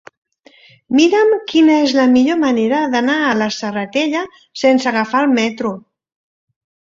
Mira'm quina és la millor manera d'anar a la Serratella sense agafar el metro.